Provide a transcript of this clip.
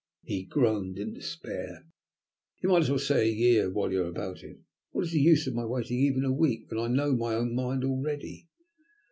He groaned in despair. "You might as well say a year while you are about it. What is the use of my waiting even a week when I know my own mind already?"